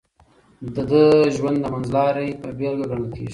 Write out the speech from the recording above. د ده ژوند د منځلارۍ بېلګه ګڼل کېږي.